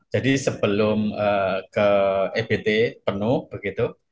jadi sebelum ke ebt penuh begitu